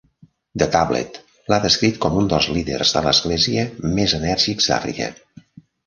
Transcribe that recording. "The Tablet" L'ha descrit com "un dels líders de l'església més enèrgics d'Àfrica".